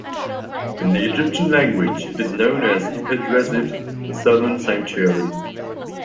In the Egyptian language it is known as "ipet resyt", "the southern sanctuary".